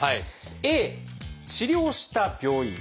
Ａ治療した病院。